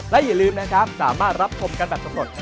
และอย่าลืมนะครับสามารถรับชมกันแบบสำรวจ